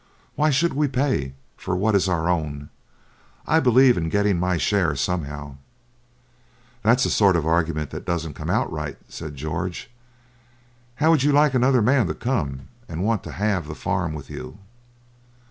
Why should we pay for what is our own? I believe in getting my share somehow.' 'That's a sort of argument that doesn't come out right,' said George. 'How would you like another man to come and want to halve the farm with you?'